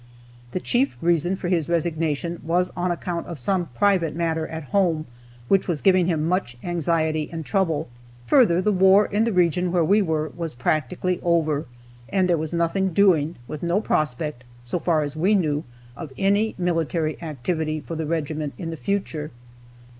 The chief reason for his resignation was on account of some private matter at home, which was giving him much anxiety and trouble. Further, the war in the region where we were was practically over, and there was nothing doing, with no prospect, so far as we knew, of any military activity for the regiment in the future.